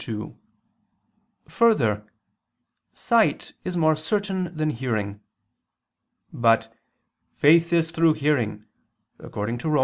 2: Further, sight is more certain than hearing. But "faith is through hearing" according to Rom.